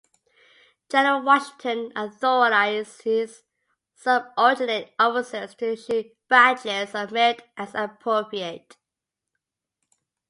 General Washington authorized his subordinate officers to issue Badges of Merit as appropriate.